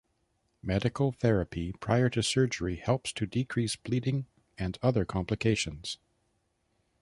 Medical therapy prior to surgery helps to decrease bleeding and other complications.